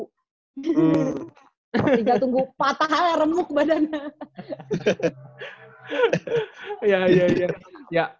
tinggal tunggu patah renuk badannya